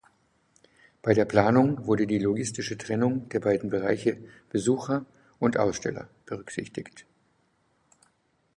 Bei der Planung wurde die logistische Trennung der beiden Bereiche Besucher und Aussteller berücksichtigt.